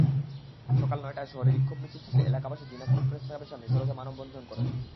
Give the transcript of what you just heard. সকাল নয়টায় শহরে বিক্ষোভ মিছিল শেষে এলাকাবাসী দিনাজপুর প্রেসক্লাবের সামনের সড়কে মানববন্ধন করেন।